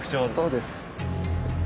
そうです。